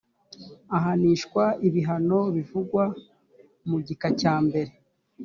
ahanishwa ibihano bivugwa mu gika cya mbere